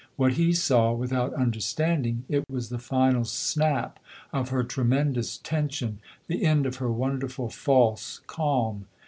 What he saw, without understanding it, was the final snap of her tremendous tension, the end of her wonderful false calm.